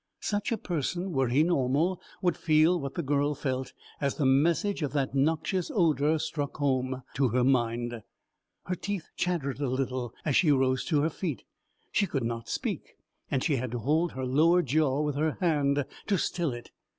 Such a person, were he normal, would feel what the girl felt as the message of that noxious odour struck home to her mind. Her teeth chattered a little as she rose to her feet. She could not speak and she had to hold her lower jaw with her hand to still it.